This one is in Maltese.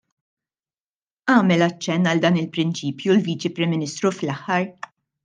Għamel aċċenn għal dan il-prinċipju l-Viċi Prim Ministru fl-aħħar.